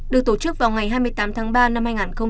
được tổ chức vào ngày hai mươi tám tháng ba năm hai nghìn một mươi ba